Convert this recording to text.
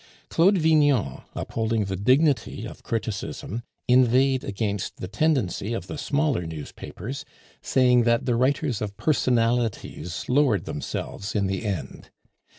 Claude Vignon, upholding the dignity of criticism, inveighed against the tendency of the smaller newspapers, saying that the writers of personalities lowered themselves in the end.